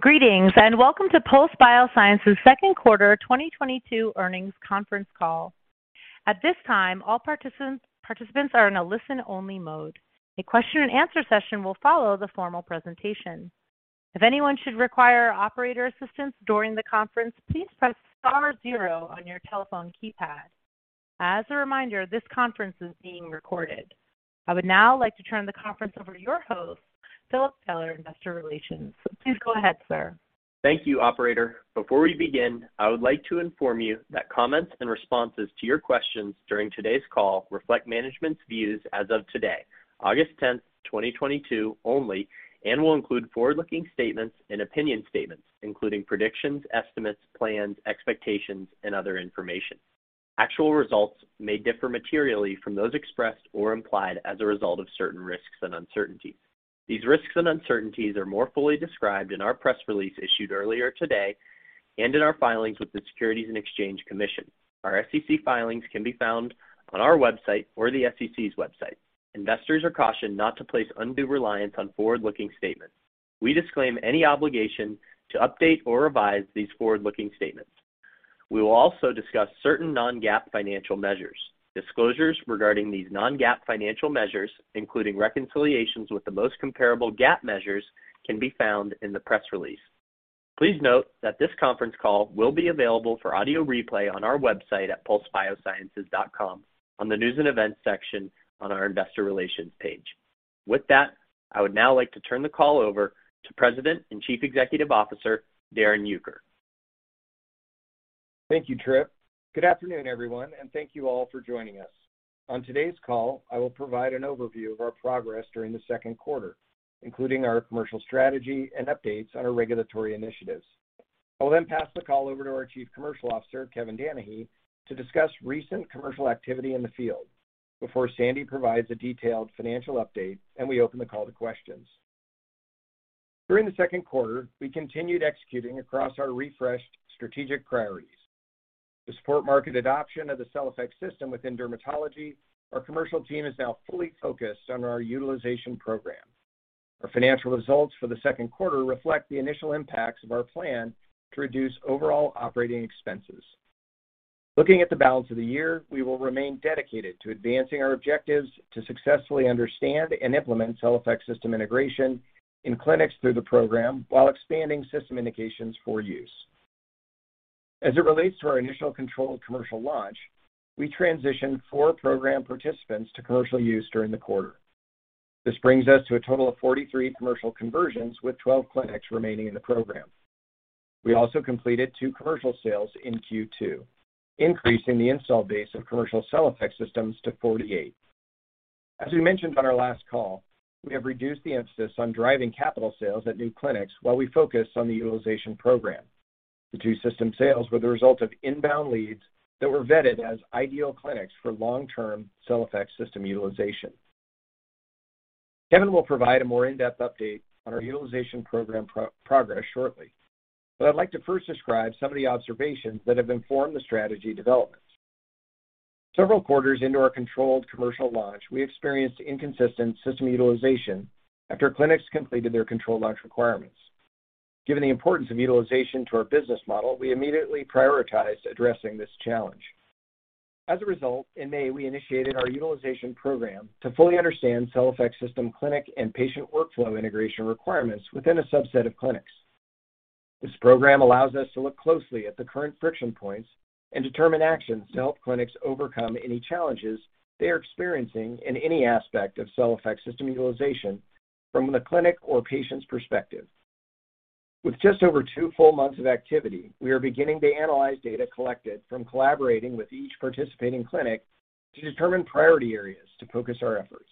Greetings, welcome to Pulse Biosciences Second Quarter 2022 Earnings Conference Call. At this time, all participants are in a listen-only mode. A question and answer session will follow the formal presentation. If anyone should require operator assistance during the conference, please press star zero on your telephone keypad. As a reminder, this conference is being recorded. I would now like to turn the conference over to your host, Philip Taylor, Investor Relations. Please go ahead, sir. Thank you, operator. Before we begin, I would like to inform you that comments and responses to your questions during today's call reflect management's views as of today, August 10, 2022 only, and will include forward-looking statements and opinion statements, including predictions, estimates, plans, expectations, and other information. Actual results may differ materially from those expressed or implied as a result of certain risks and uncertainties. These risks and uncertainties are more fully described in our press release issued earlier today and in our filings with the Securities and Exchange Commission. Our SEC filings can be found on our website or the SEC's website. Investors are cautioned not to place undue reliance on forward-looking statements. We disclaim any obligation to update or revise these forward-looking statements. We will also discuss certain non-GAAP financial measures. Disclosures regarding these non-GAAP financial measures, including reconciliations with the most comparable GAAP measures, can be found in the press release. Please note that this conference call will be available for audio replay on our website at pulsebiosciences.com on the News & Events section on our Investor Relations page. With that, I would now like to turn the call over to President and Chief Executive Officer, Darrin Uecker. Thank you, Trip. Good afternoon, everyone, and thank you all for joining us. On today's call, I will provide an overview of our progress during the second quarter, including our commercial strategy and updates on our regulatory initiatives. I will then pass the call over to our Chief Commercial Officer, Kevin Danahy, to discuss recent commercial activity in the field before Sandy provides a detailed financial update and we open the call to questions. During the second quarter, we continued executing across our refreshed strategic priorities. To support market adoption of the CellFX System within dermatology, our commercial team is now fully focused on our utilization program. Our financial results for the second quarter reflect the initial impacts of our plan to reduce overall operating expenses. Looking at the balance of the year, we will remain dedicated to advancing our objectives to successfully understand and implement CellFX System integration in clinics through the program while expanding system indications for use. As it relates to our initial controlled commercial launch, we transitioned four program participants to commercial use during the quarter. This brings us to a total of 43 commercial conversions with 12 clinics remaining in the program. We also completed two commercial sales in Q2, increasing the installed base of commercial CellFX Systems to 48. As we mentioned on our last call, we have reduced the emphasis on driving capital sales at new clinics while we focus on the utilization program. The two system sales were the result of inbound leads that were vetted as ideal clinics for long-term CellFX System utilization. Kevin will provide a more in-depth update on our utilization program progress shortly, but I'd like to first describe some of the observations that have informed the strategy developments. Several quarters into our controlled commercial launch, we experienced inconsistent system utilization after clinics completed their control launch requirements. Given the importance of utilization to our business model, we immediately prioritized addressing this challenge. As a result, in May, we initiated our utilization program to fully understand CellFX System clinic and patient workflow integration requirements within a subset of clinics. This program allows us to look closely at the current friction points and determine actions to help clinics overcome any challenges they are experiencing in any aspect of CellFX System utilization from the clinic or patient's perspective. With just over two full months of activity, we are beginning to analyze data collected from collaborating with each participating clinic to determine priority areas to focus our efforts.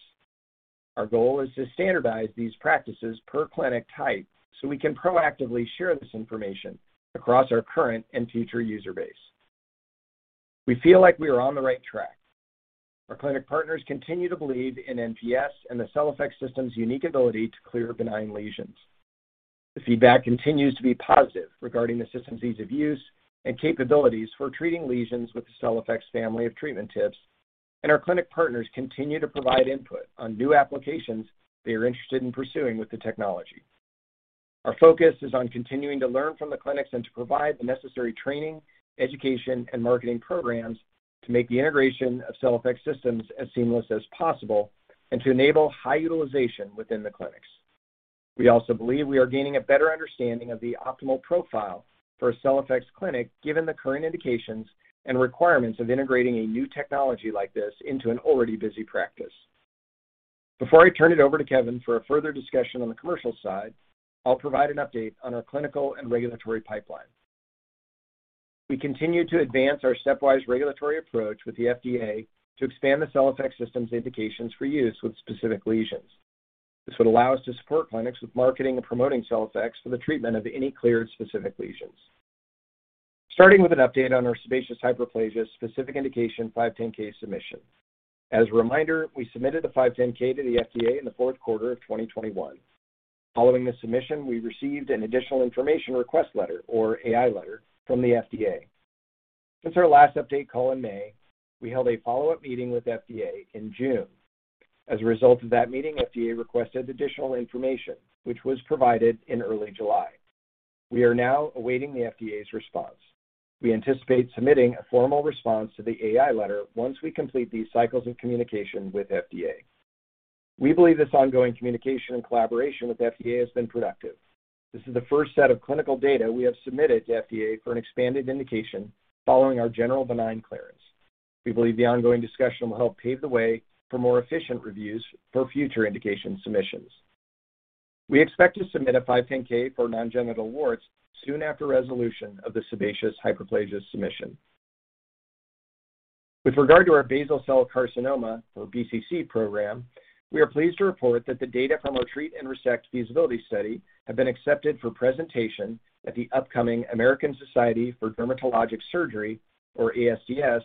Our goal is to standardize these practices per clinic type so we can proactively share this information across our current and future user base. We feel like we are on the right track. Our clinic partners continue to believe in NPS and the CellFX System's unique ability to clear benign lesions. The feedback continues to be positive regarding the system's ease of use and capabilities for treating lesions with the CellFX family of treatment tips, and our clinic partners continue to provide input on new applications they are interested in pursuing with the technology. Our focus is on continuing to learn from the clinics and to provide the necessary training, education, and marketing programs to make the integration of CellFX Systems as seamless as possible and to enable high utilization within the clinics. We also believe we are gaining a better understanding of the optimal profile for a CellFX clinic given the current indications and requirements of integrating a new technology like this into an already busy practice. Before I turn it over to Kevin for a further discussion on the commercial side, I'll provide an update on our clinical and regulatory pipeline. We continue to advance our stepwise regulatory approach with the FDA to expand the CellFX System's indications for use with specific lesions. This would allow us to support clinics with marketing and promoting CellFX for the treatment of any cleared specific lesions. Starting with an update on our sebaceous hyperplasia-specific indication 510(k) submission. As a reminder, we submitted a 510(k) to the FDA in the fourth quarter of 2021. Following the submission, we received an additional information request letter or AI letter from the FDA. Since our last update call in May, we held a follow-up meeting with FDA in June. As a result of that meeting, FDA requested additional information, which was provided in early July. We are now awaiting the FDA's response. We anticipate submitting a formal response to the AI letter once we complete these cycles of communication with FDA. We believe this ongoing communication and collaboration with FDA has been productive. This is the first set of clinical data we have submitted to FDA for an expanded indication following our general benign clearance. We believe the ongoing discussion will help pave the way for more efficient reviews for future indication submissions. We expect to submit a 510(k) for non-genital warts soon after resolution of the sebaceous hyperplasia submission. With regard to our basal cell carcinoma or BCC program, we are pleased to report that the data from our treat and resect feasibility study have been accepted for presentation at the upcoming American Society for Dermatologic Surgery, or ASDS,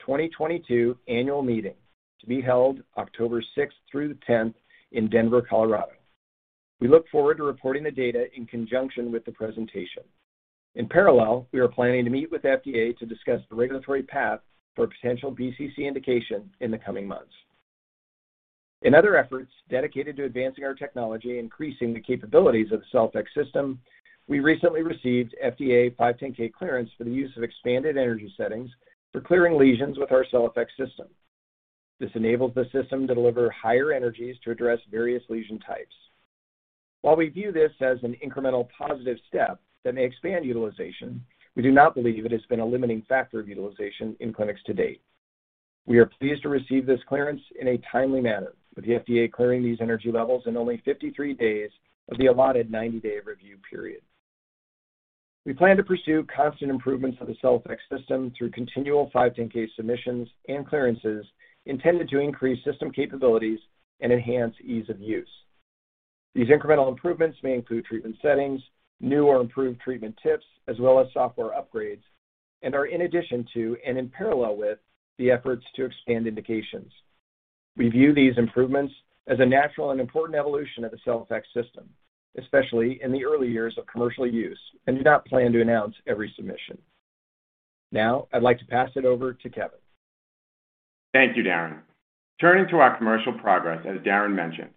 2022 annual meeting to be held October 6 through 10 in Denver, Colorado. We look forward to reporting the data in conjunction with the presentation. In parallel, we are planning to meet with FDA to discuss the regulatory path for potential BCC indication in the coming months. In other efforts dedicated to advancing our technology and increasing the capabilities of the CellFX System, we recently received FDA 510(k) clearance for the use of expanded energy settings for clearing lesions with our CellFX System. This enables the system to deliver higher energies to address various lesion types. While we view this as an incremental positive step that may expand utilization, we do not believe it has been a limiting factor of utilization in clinics to date. We are pleased to receive this clearance in a timely manner, with the FDA clearing these energy levels in only 53 days of the allotted 90-day review period. We plan to pursue constant improvements of the CellFX System through continual 510(k) submissions and clearances intended to increase system capabilities and enhance ease of use. These incremental improvements may include treatment settings, new or improved treatment tips, as well as software upgrades, and are in addition to and in parallel with the efforts to expand indications. We view these improvements as a natural and important evolution of the CellFX System, especially in the early years of commercial use, and do not plan to announce every submission. Now, I'd like to pass it over to Kevin. Thank you, Darrin. Turning to our commercial progress, as Darrin mentioned,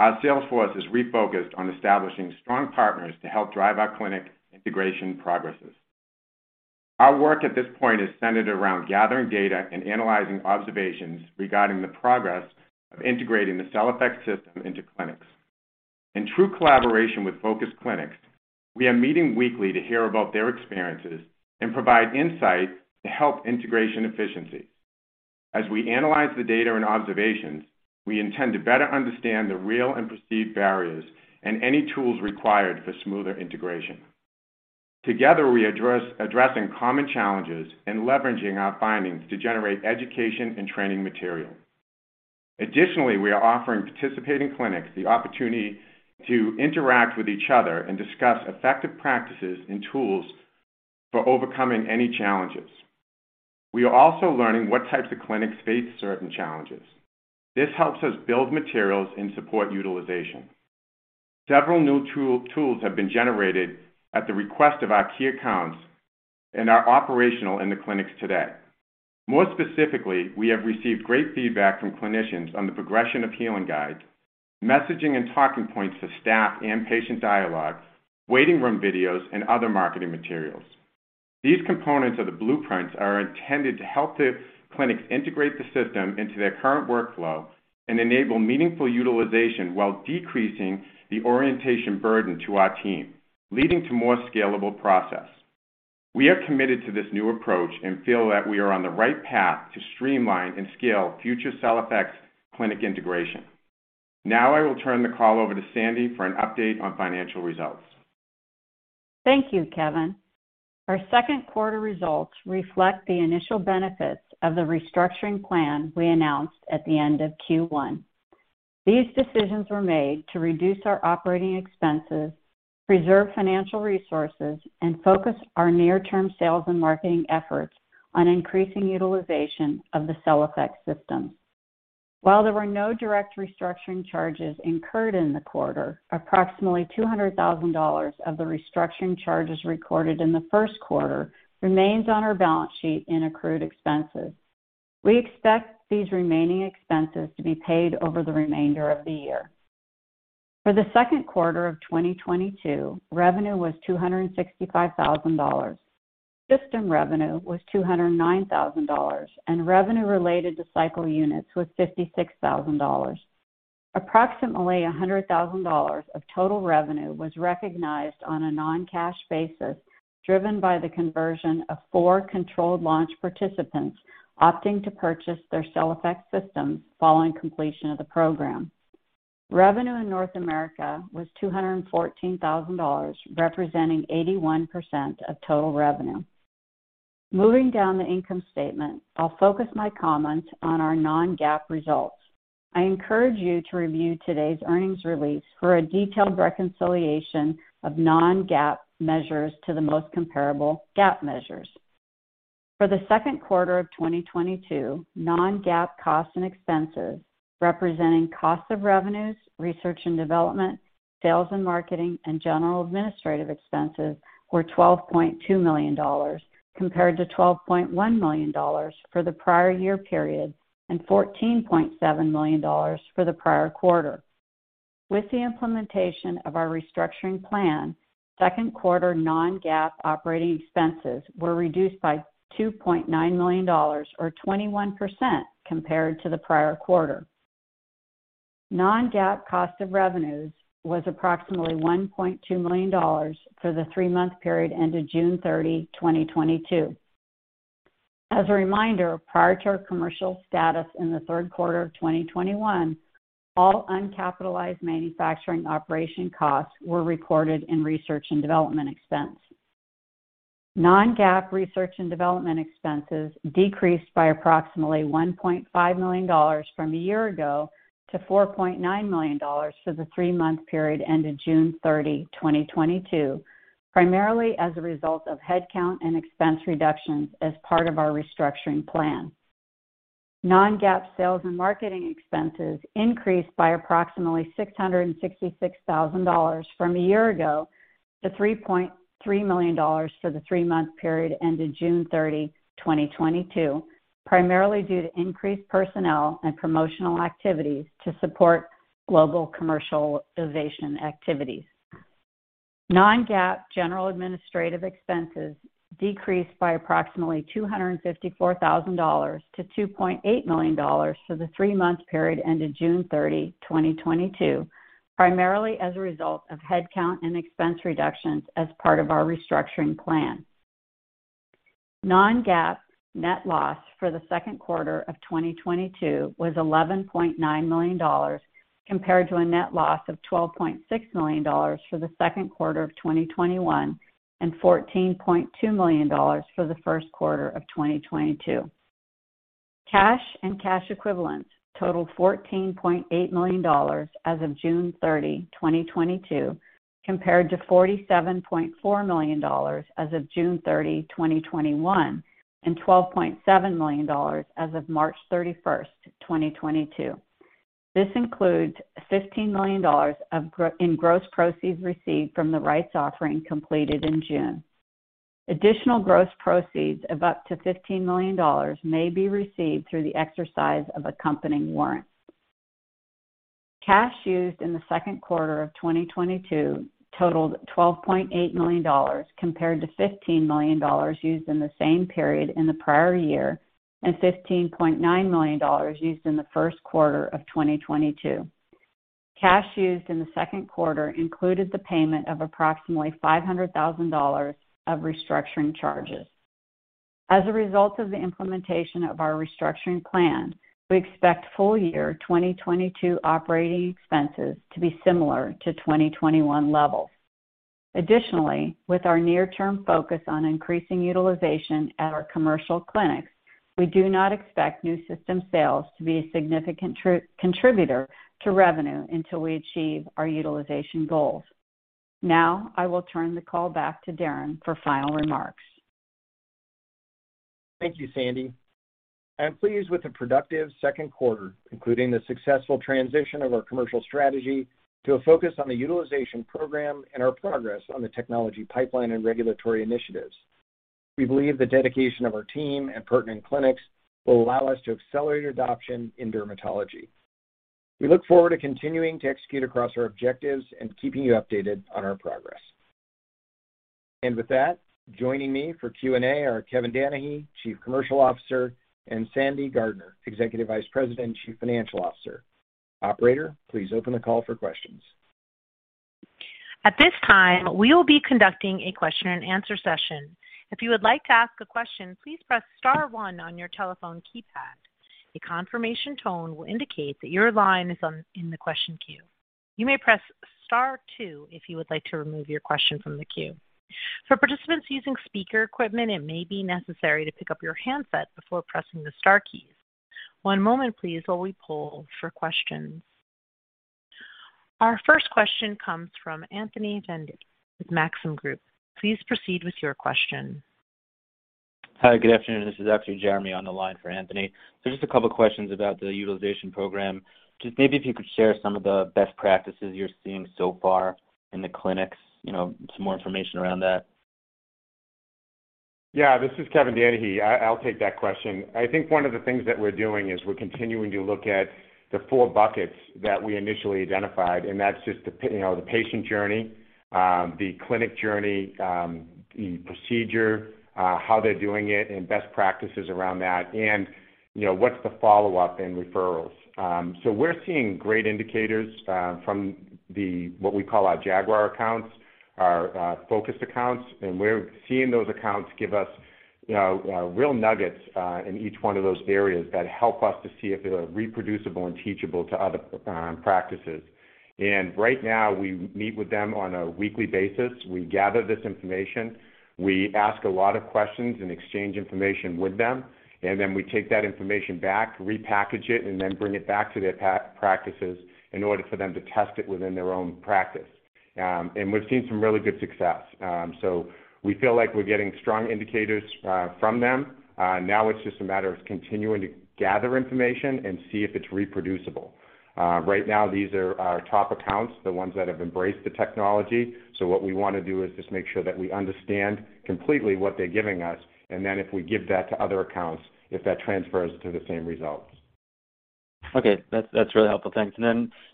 our sales force is refocused on establishing strong partners to help drive our clinic integration progress. Our work at this point is centered around gathering data and analyzing observations regarding the progress of integrating the CellFX System into clinics. In true collaboration with focus clinics, we are meeting weekly to hear about their experiences and provide insight to help integration efficiency. As we analyze the data and observations, we intend to better understand the real and perceived barriers and any tools required for smoother integration. Together, we are addressing common challenges and leveraging our findings to generate education and training material. Additionally, we are offering participating clinics the opportunity to interact with each other and discuss effective practices and tools for overcoming any challenges. We are also learning what types of clinics face certain challenges. This helps us build materials and support utilization. Several new tools have been generated at the request of our key accounts and are operational in the clinics today. More specifically, we have received great feedback from clinicians on the progression of healing guides, messaging and talking points to staff and patient dialogue, waiting room videos, and other marketing materials. These components of the blueprints are intended to help the clinics integrate the system into their current workflow and enable meaningful utilization while decreasing the orientation burden to our team, leading to more scalable process. We are committed to this new approach and feel that we are on the right path to streamline and scale future CellFX clinic integration. Now I will turn the call over to Sandy for an update on financial results. Thank you, Kevin. Our second quarter results reflect the initial benefits of the restructuring plan we announced at the end of Q1. These decisions were made to reduce our operating expenses, preserve financial resources, and focus our near-term sales and marketing efforts on increasing utilization of the CellFX System. While there were no direct restructuring charges incurred in the quarter, approximately $200,000 of the restructuring charges recorded in the first quarter remains on our balance sheet in accrued expenses. We expect these remaining expenses to be paid over the remainder of the year. For the second quarter of 2022, revenue was $265,000. System revenue was $209,000, and revenue related to cycle units was $56,000. Approximately $100,000 of total revenue was recognized on a non-cash basis, driven by the conversion of four controlled launch participants opting to purchase their CellFX Systems following completion of the program. Revenue in North America was $214,000, representing 81% of total revenue. Moving down the income statement, I'll focus my comments on our non-GAAP results. I encourage you to review today's earnings release for a detailed reconciliation of non-GAAP measures to the most comparable GAAP measures. For the second quarter of 2022, non-GAAP costs and expenses, representing cost of revenues, research and development, Sales and marketing and general administrative expenses were $12.2 million compared to $12.1 million for the prior year period and $14.7 million for the prior quarter. With the implementation of our restructuring plan, second quarter non-GAAP operating expenses were reduced by $2.9 million or 21% compared to the prior quarter. Non-GAAP cost of revenues was approximately $1.2 million for the three-month period ended June 30, 2022. As a reminder, prior to our commercial status in the third quarter of 2021, all uncapitalized manufacturing operation costs were reported in research and development expense. Non-GAAP research and development expenses decreased by approximately $1.5 million from a year ago to $4.9 million for the three-month period ended June 30, 2022, primarily as a result of headcount and expense reductions as part of our restructuring plan. Non-GAAP sales and marketing expenses increased by approximately $666,000 from a year ago to $3.3 million for the three-month period ended June 30, 2022, primarily due to increased personnel and promotional activities to support global commercialization activities. Non-GAAP general administrative expenses decreased by approximately $254,000-$2.8 million for the three-month period ended June 30, 2022, primarily as a result of headcount and expense reductions as part of our restructuring plan. Non-GAAP net loss for the second quarter of 2022 was $11.9 million, compared to a net loss of $12.6 million for the second quarter of 2021 and $14.2 million for the first quarter of 2022. Cash and cash equivalents totaled $14.8 million as of June 30, 2022, compared to $47.4 million as of June 30, 2021, and $12.7 million as of March 31, 2022. This includes $15 million of gross proceeds received from the rights offering completed in June. Additional gross proceeds of up to $15 million may be received through the exercise of accompanying warrants. Cash used in the second quarter of 2022 totaled $12.8 million compared to $15 million used in the same period in the prior year and $15.9 million used in the first quarter of 2022. Cash used in the second quarter included the payment of approximately $500,000 of restructuring charges. As a result of the implementation of our restructuring plan, we expect full year 2022 operating expenses to be similar to 2021 levels. Additionally, with our near term focus on increasing utilization at our commercial clinics, we do not expect new system sales to be a significant contributor to revenue until we achieve our utilization goals. Now I will turn the call back to Darrin for final remarks. Thank you, Sandy. I'm pleased with the productive second quarter, including the successful transition of our commercial strategy to a focus on the utilization program and our progress on the technology pipeline and regulatory initiatives. We believe the dedication of our team at partner clinics will allow us to accelerate adoption in dermatology. We look forward to continuing to execute across our objectives and keeping you updated on our progress. With that, joining me for Q&A are Kevin Danahy, Chief Commercial Officer, and Sandy Gardiner, Executive Vice President and Chief Financial Officer. Operator, please open the call for questions. At this time, we will be conducting a question and answer session. If you would like to ask a question, please press star one on your telephone keypad. A confirmation tone will indicate that your line is on in the question queue. You may press star two if you would like to remove your question from the queue. For participants using speaker equipment, it may be necessary to pick up your handset before pressing the star keys. One moment, please, while we poll for questions. Our first question comes from Anthony Vendetti with Maxim Group. Please proceed with your question. Hi, good afternoon. This is actually Jeremy on the line for Anthony. Just a couple questions about the utilization program. Just maybe if you could share some of the best practices you're seeing so far in the clinics, you know, some more information around that. Yeah, this is Kevin Danahy. I'll take that question. I think one of the things that we're doing is we're continuing to look at the four buckets that we initially identified, and that's just the patient journey, the clinic journey, the procedure, how they're doing it and best practices around that. You know, what's the follow-up and referrals. We're seeing great indicators from what we call our Jaguar accounts, our focused accounts. We're seeing those accounts give us, you know, real nuggets in each one of those areas that help us to see if they're reproducible and teachable to other practices. Right now, we meet with them on a weekly basis. We gather this information, we ask a lot of questions and exchange information with them, and then we take that information back, repackage it, and then bring it back to their practices in order for them to test it within their own practice. We've seen some really good success. We feel like we're getting strong indicators from them. Now it's just a matter of continuing to gather information and see if it's reproducible. Right now, these are our top accounts, the ones that have embraced the technology. What we wanna do is just make sure that we understand completely what they're giving us, and then if we give that to other accounts, if that transfers to the same results. Okay. That's really helpful. Thanks.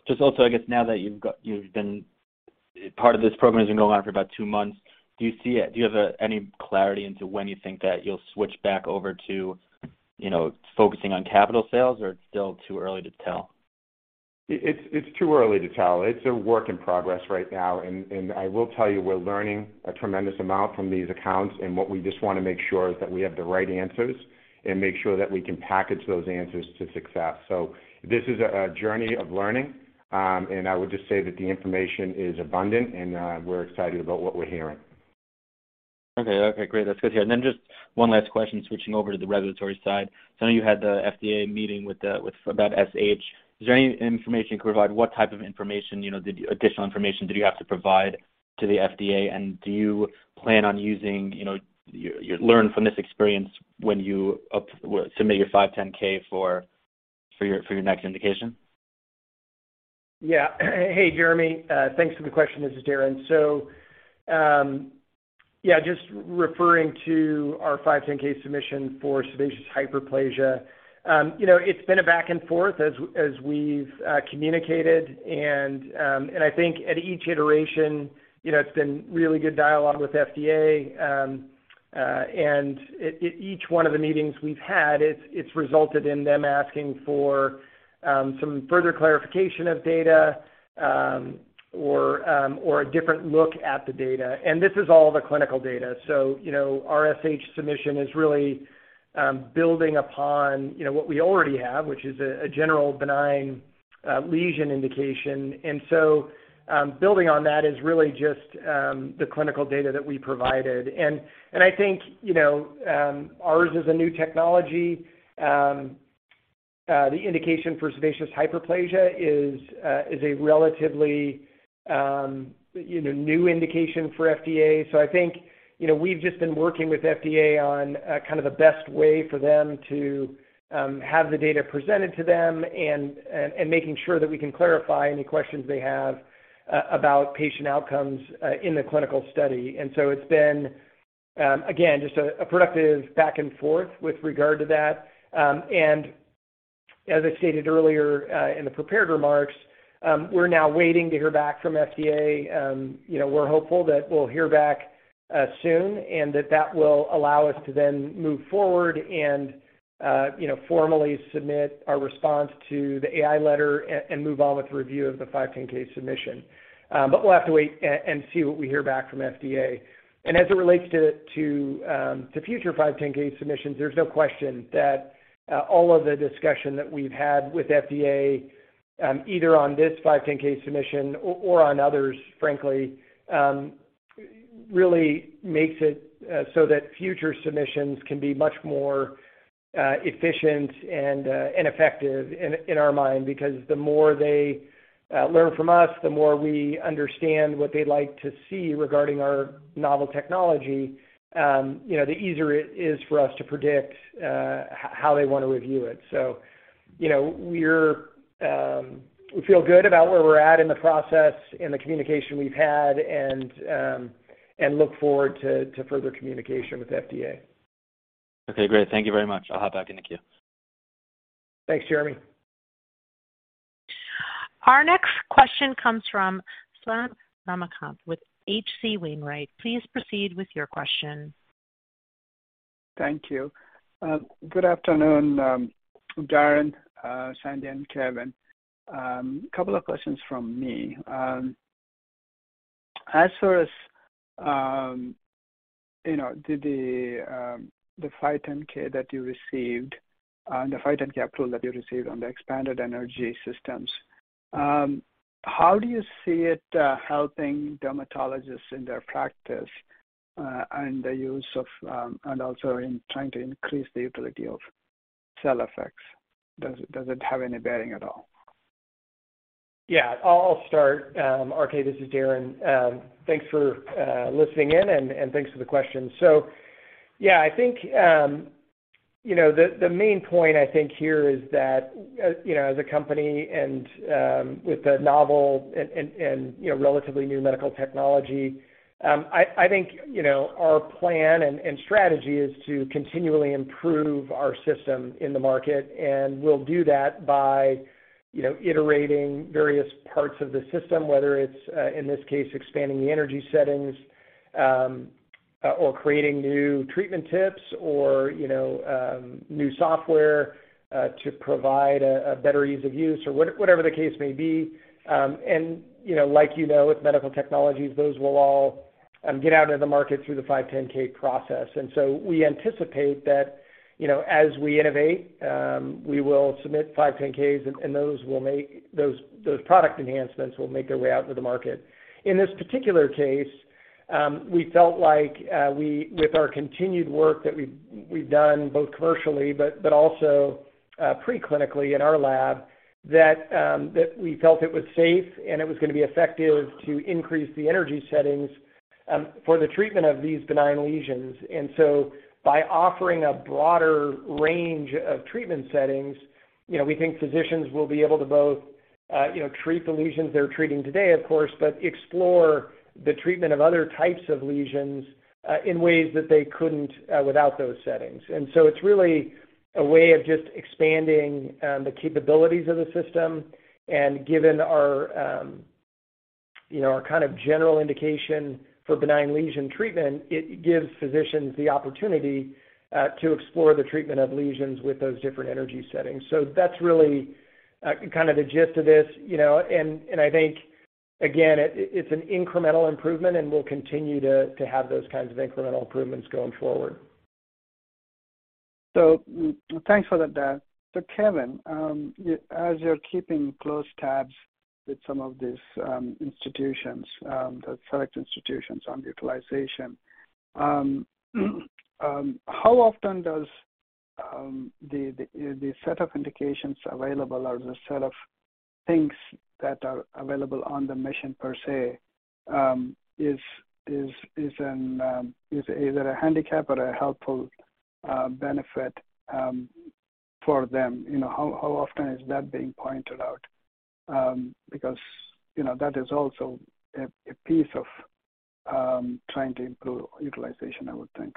Just also, I guess, now that part of this program has been going on for about two months, do you have any clarity into when you think that you'll switch back over to, you know, focusing on capital sales, or it's still too early to tell? It's too early to tell. It's a work in progress right now. I will tell you, we're learning a tremendous amount from these accounts, and what we just wanna make sure is that we have the right answers and make sure that we can package those answers to success. This is a journey of learning. I would just say that the information is abundant, and we're excited about what we're hearing. Okay. Okay, great. That's good to hear. Just one last question, switching over to the regulatory side. I know you had the FDA meeting with about SH. Is there any information you can provide what type of information, you know, additional information did you have to provide to the FDA? Do you plan on using, you know, you learned from this experience when you submit your 510(k) for your next indication? Yeah. Hey, Jeremy. Thanks for the question. This is Darrin. So, yeah, just referring to our 510(k) submission for sebaceous hyperplasia. You know, it's been a back and forth as we've communicated, and I think at each iteration, you know, it's been really good dialogue with FDA. And at each one of the meetings we've had, it's resulted in them asking for some further clarification of data, or a different look at the data. This is all the clinical data. So, you know, our SH submission is really building upon, you know, what we already have, which is a general benign lesion indication. Building on that is really just the clinical data that we provided. I think, you know, ours is a new technology. The indication for sebaceous hyperplasia is a relatively, you know, new indication for FDA. I think, you know, we've just been working with FDA on kind of the best way for them to have the data presented to them and making sure that we can clarify any questions they have about patient outcomes in the clinical study. It's been, again, just a productive back and forth with regard to that. As I stated earlier, in the prepared remarks, we're now waiting to hear back from FDA. You know, we're hopeful that we'll hear back soon and that that will allow us to then move forward and, you know, formally submit our response to the AI letter and move on with the review of the 510(k) submission. But we'll have to wait and see what we hear back from FDA. As it relates to future 510(k) submissions, there's no question that all of the discussion that we've had with FDA, either on this 510(k) submission or on others, frankly, really makes it so that future submissions can be much more efficient and effective in our mind. Because the more they learn from us, the more we understand what they'd like to see regarding our novel technology, you know, the easier it is for us to predict how they wanna review it. You know, we feel good about where we're at in the process and the communication we've had and look forward to further communication with FDA. Okay, great. Thank you very much. I'll hop back in the queue. Thanks, Jeremy. Our next question comes from Ramakanth Swayampakula with H.C. Wainwright. Please proceed with your question. Thank you. Good afternoon, Darrin, Sandy, and Kevin. Couple of questions from me. As far as, you know, the 510(k) that you received, the 510(k) approval that you received on the expanded energy systems, how do you see it helping dermatologists in their practice, and the use of, and also in trying to increase the utility of CellFX? Does it have any bearing at all? Yeah. I'll start. RK, this is Darrin. Thanks for listening in and thanks for the question. Yeah, I think the main point here is that, you know, as a company and with the novel and you know, relatively new medical technology, I think, you know, our plan and strategy is to continually improve our system in the market, and we'll do that by, you know, iterating various parts of the system, whether it's in this case, expanding the energy settings, or creating new treatment tips or new software to provide a better ease of use or whatever the case may be. With medical technologies, those will all get out into the market through the 510(k) process. We anticipate that as we innovate, we will submit 510(k)s, and those product enhancements will make their way out into the market. In this particular case, we felt like with our continued work that we've done both commercially but also preclinically in our lab that we felt it was safe and it was gonna be effective to increase the energy settings for the treatment of these benign lesions. By offering a broader range of treatment settings, you know, we think physicians will be able to both, you know, treat the lesions they're treating today, of course, but explore the treatment of other types of lesions, in ways that they couldn't, without those settings. It's really a way of just expanding, the capabilities of the system. Given our, you know, our kind of general indication for benign lesion treatment, it gives physicians the opportunity, to explore the treatment of lesions with those different energy settings. That's really, kind of the gist of this, you know, and I think again, it's an incremental improvement, and we'll continue to have those kinds of incremental improvements going forward. Thanks for that, Darrin. Kevin, as you're keeping close tabs with some of these institutions, the select institutions on utilization, how often does the set of indications available or the set of things that are available on the menu per se is either a handicap or a helpful benefit for them? You know, how often is that being pointed out? Because, you know, that is also a piece of trying to improve utilization, I would think.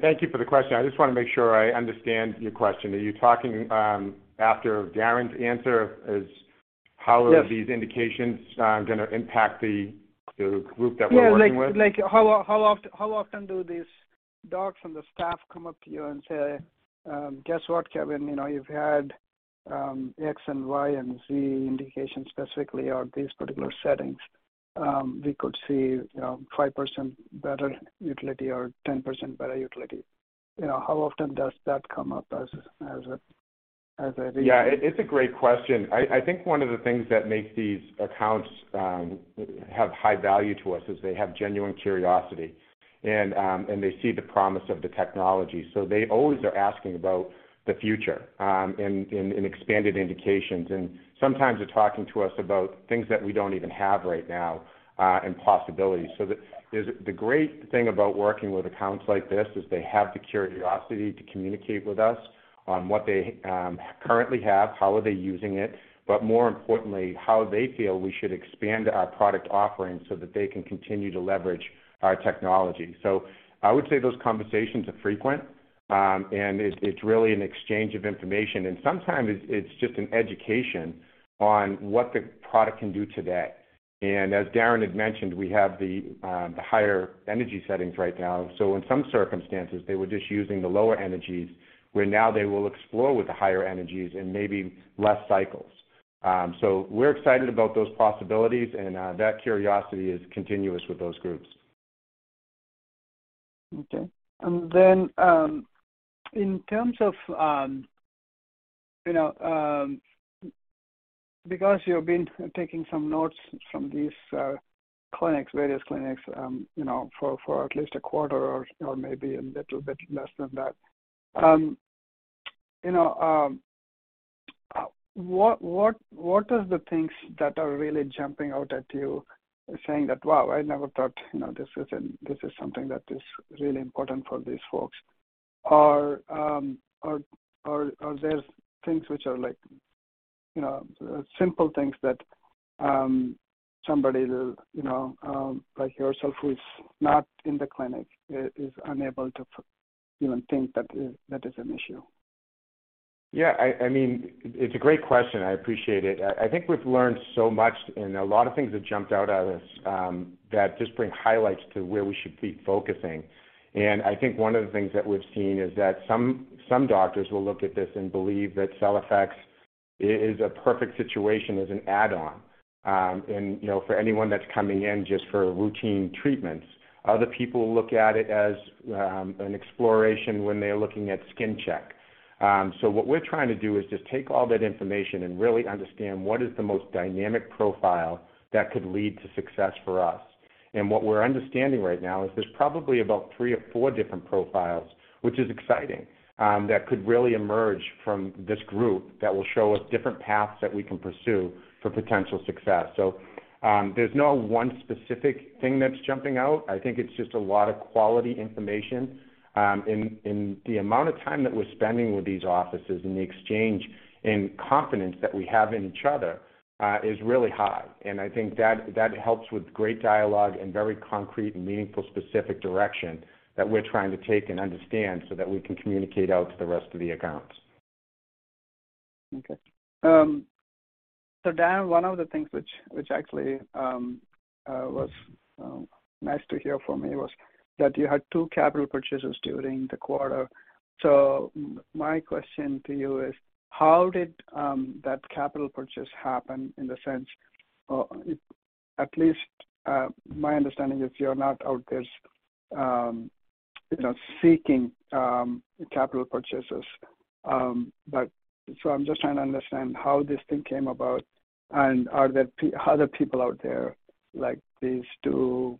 Thank you for the question. I just want to make sure I understand your question. Are you talking after Darrin's answer? Yes... these indications gonna impact the group that we're working with? Yeah. Like how often do these docs and the staff come up to you and say, "Guess what, Kevin? You know, you've had X and Y and Z indications specifically on these particular settings. We could see, you know, 5% better utility or 10% better utility." You know, how often does that come up as a reason? Yeah. It's a great question. I think one of the things that makes these accounts have high value to us is they have genuine curiosity and they see the promise of the technology. They always are asking about the future and expanded indications. Sometimes they're talking to us about things that we don't even have right now and possibilities. The great thing about working with accounts like this is they have the curiosity to communicate with us on what they currently have, how are they using it, but more importantly, how they feel we should expand our product offerings so that they can continue to leverage our technology. I would say those conversations are frequent and it's really an exchange of information. Sometimes it's just an education on what the product can do today. As Darrin had mentioned, we have the higher energy settings right now. In some circumstances, they were just using the lower energies, where now they will explore with the higher energies and maybe less cycles. We're excited about those possibilities, and that curiosity is continuous with those groups. Okay. In terms of, you know, because you've been taking some notes from these clinics, various clinics, you know, for at least a quarter or maybe a little bit less than that, you know, what are the things that are really jumping out at you saying that, "Wow, I never thought, you know, this is something that is really important for these folks." Or, there's things which are like, you know, simple things that, somebody, you know, like yourself who is not in the clinic is unable to even think that is an issue? Yeah. I mean, it's a great question. I appreciate it. I think we've learned so much, and a lot of things have jumped out at us, that just bring highlights to where we should be focusing. I think one of the things that we've seen is that some doctors will look at this and believe that CellFX is a perfect situation as an add-on, and you know, for anyone that's coming in just for routine treatments. Other people look at it as an exploration when they're looking at skin check. What we're trying to do is just take all that information and really understand what is the most dynamic profile that could lead to success for us. What we're understanding right now is there's probably about three or four different profiles, which is exciting, that could really emerge from this group that will show us different paths that we can pursue for potential success. There's no one specific thing that's jumping out. I think it's just a lot of quality information, and the amount of time that we're spending with these offices and the exchange and confidence that we have in each other is really high. I think that helps with great dialogue and very concrete and meaningful specific direction that we're trying to take and understand so that we can communicate out to the rest of the accounts. Okay, Darrin, one of the things which actually was nice to hear for me was that you had two capital purchases during the quarter. My question to you is, how did that capital purchase happen in the sense. At least, my understanding is you're not out there, you know, seeking capital purchases. I'm just trying to understand how this thing came about, and are there other people out there like these two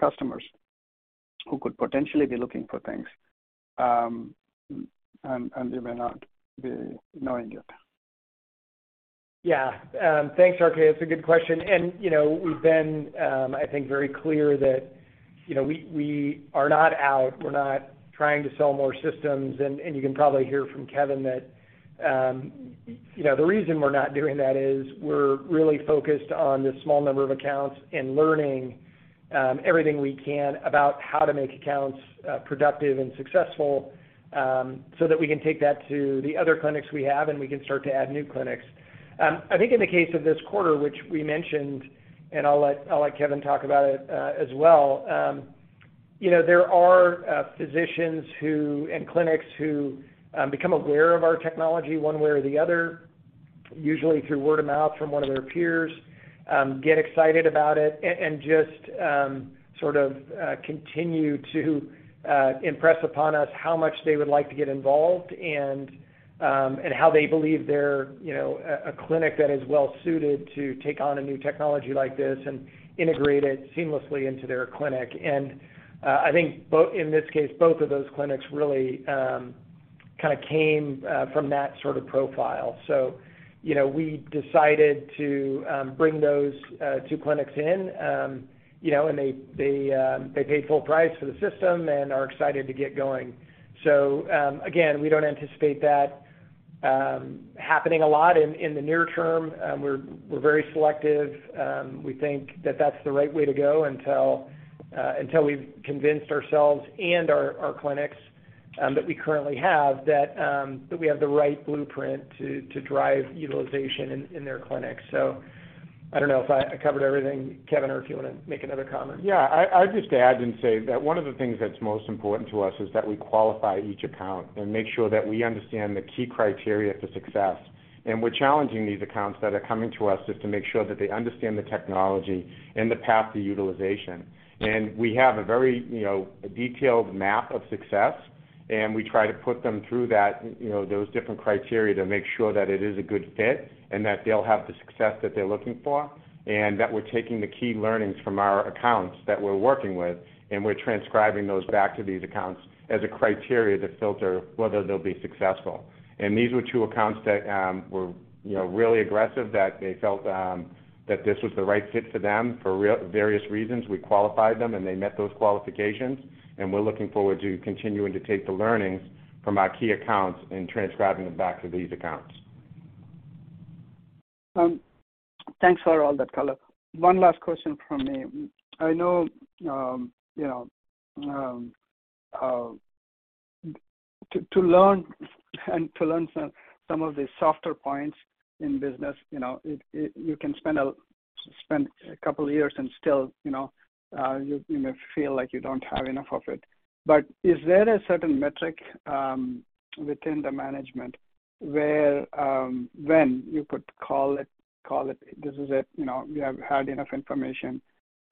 customers who could potentially be looking for things, and they may not be knowing it? Yeah. Thanks, RK. That's a good question. You know, we've been, I think, very clear that, you know, we are not out. We're not trying to sell more systems, and you can probably hear from Kevin that, you know, the reason we're not doing that is we're really focused on this small number of accounts and learning everything we can about how to make accounts productive and successful, so that we can take that to the other clinics we have, and we can start to add new clinics. I think in the case of this quarter, which we mentioned, and I'll let Kevin talk about it, as well, you know, there are physicians and clinics who become aware of our technology one way or the other, usually through word of mouth from one of their peers, get excited about it and just sort of continue to impress upon us how much they would like to get involved and how they believe they're, you know, a clinic that is well suited to take on a new technology like this and integrate it seamlessly into their clinic. I think in this case, both of those clinics really kinda came from that sort of profile. You know, we decided to bring those two clinics in. You know, they paid full price for the system and are excited to get going. Again, we don't anticipate that happening a lot in the near term. We're very selective. We think that's the right way to go until we've convinced ourselves and our clinics that we currently have that we have the right blueprint to drive utilization in their clinics. I don't know if I covered everything, Kevin, or if you wanna make another comment. Yeah. I'd just add and say that one of the things that's most important to us is that we qualify each account and make sure that we understand the key criteria to success. We're challenging these accounts that are coming to us just to make sure that they understand the technology and the path to utilization. We have a very, you know, a detailed map of success, and we try to put them through that, you know, those different criteria to make sure that it is a good fit and that they'll have the success that they're looking for. That we're taking the key learnings from our accounts that we're working with, and we're transcribing those back to these accounts as a criteria to filter whether they'll be successful. These were two accounts that were, you know, really aggressive, that they felt that this was the right fit for them for various reasons. We qualified them, and they met those qualifications. We're looking forward to continuing to take the learnings from our key accounts and transcribing them back to these accounts. Thanks for all that color. One last question from me. I know, you know, to learn some of the softer points in business, you know, you can spend a couple of years and still, you know, you may feel like you don't have enough of it. But is there a certain metric within the management where, when you could call it this is it? You know, we have had enough information,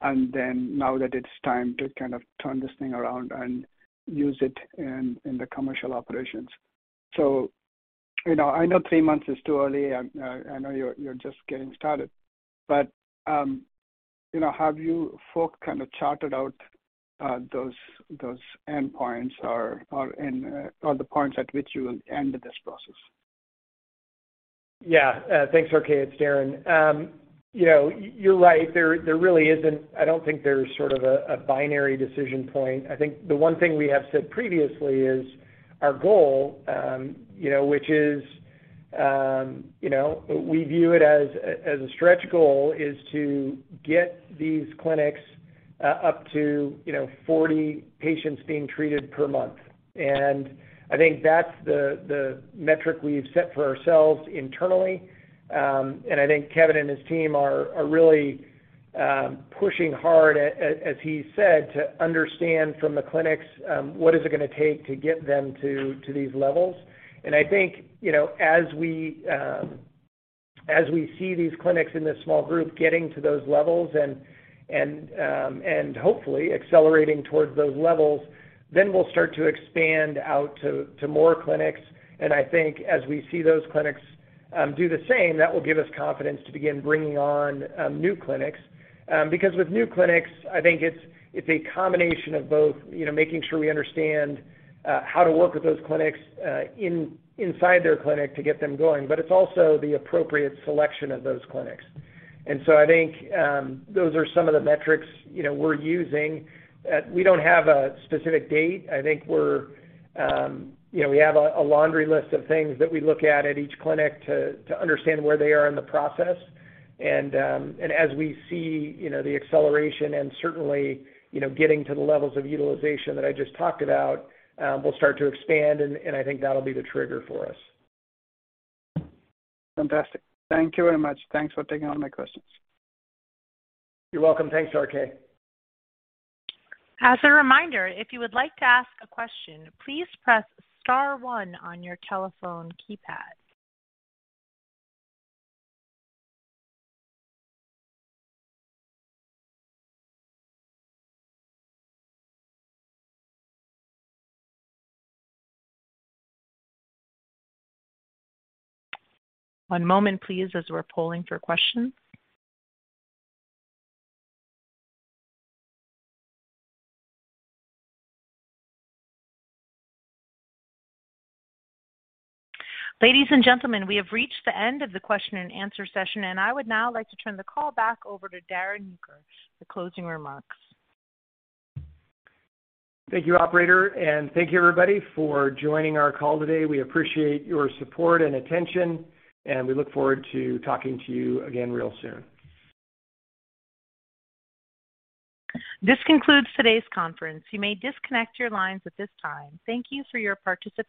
and then now that it's time to kind of turn this thing around and use it in the commercial operations. You know, I know three months is too early. I know you're just getting started, but you know, have you folks kind of charted out those endpoints or the points at which you will end this process? Yeah. Thanks, RK. It's Darrin. You know, you're right. There really isn't a binary decision point. I think the one thing we have said previously is our goal, you know, which is, you know, we view it as a stretch goal, is to get these clinics up to, you know, 40 patients being treated per month. I think that's the metric we've set for ourselves internally. I think Kevin and his team are really pushing hard, as he said, to understand from the clinics what is it gonna take to get them to these levels. I think, you know, as we see these clinics in this small group getting to those levels and hopefully accelerating towards those levels, then we'll start to expand out to more clinics. I think as we see those clinics do the same, that will give us confidence to begin bringing on new clinics. Because with new clinics, I think it's a combination of both, you know, making sure we understand how to work with those clinics inside their clinic to get them going. It's also the appropriate selection of those clinics. I think those are some of the metrics, you know, we're using. We don't have a specific date. I think you know we have a laundry list of things that we look at each clinic to understand where they are in the process. As we see you know the acceleration and certainly you know getting to the levels of utilization that I just talked about we'll start to expand and I think that'll be the trigger for us. Fantastic. Thank you very much. Thanks for taking all my questions. You're welcome. Thanks, RK. As a reminder, if you would like to ask a question, please press star one on your telephone keypad. One moment, please, as we're polling for questions. Ladies and gentlemen, we have reached the end of the question and answer session, and I would now like to turn the call back over to Darrin Uecker for closing remarks. Thank you, operator, and thank you everybody for joining our call today. We appreciate your support and attention, and we look forward to talking to you again real soon. This concludes today's conference. You may disconnect your lines at this time. Thank you for your participation.